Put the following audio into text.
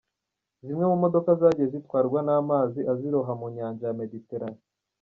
Zimwe mu modoka zagiye zitwarwa n’amazi aziroha mu nyanja ya Mediterane.